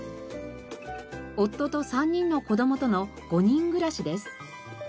夫と３人の子供との５人暮らしです。